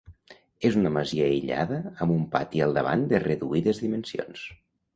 És una masia aïllada amb un pati al davant de reduïdes dimensions.